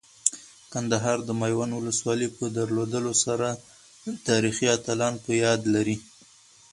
کندهار د میوند ولسوالۍ په درلودلو سره تاریخي اتلان په یاد لري.